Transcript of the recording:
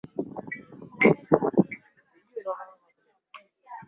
Jaeger ni mlima wa nne kwa urefu mkoani humo